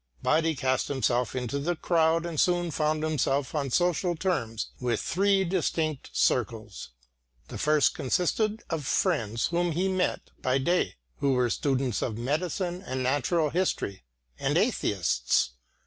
But he cast himself into the crowd and soon found himself on social terms with three distinct circles. The first consisted of friends whom he met by day, who were students of medicine and natural history and atheists.